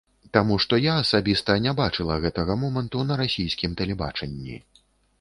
Таму што я асабіста не бачыла гэтага моманту на расійскім тэлебачанні.